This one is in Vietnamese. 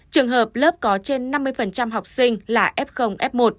trường hợp lớp có trên năm mươi học sinh là f f một